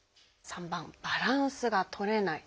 ３番「バランスがとれない」。